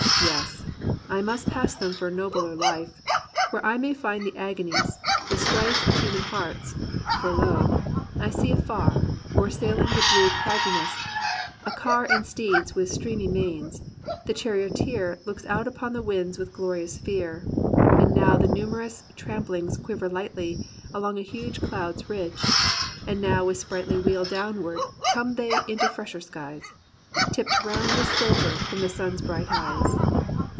Yes, I must pass them for a nobler life, Where I may find the agonies, the strife Of human hearts : for lo ! I see afar, O'ersailing the blue eragginess, a car And steeds with streamy manes — the charioteer Looks out upon the winds with glorious fear: And now the numerous tramplings quiver lightly Along a huge cloud's ridge: and now with sprightly Wheel downward come they into fresher skies, Tipt round with silver from the sun's bright eyes.